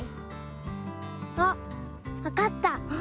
あっわかった！